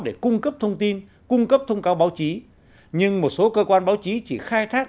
để cung cấp thông tin cung cấp thông cáo báo chí nhưng một số cơ quan báo chí chỉ khai thác